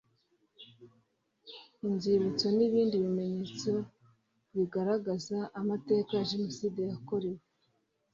Inzibutso n ibindi bimenyetso bigaragaza amateka ya Jenoside yakorewe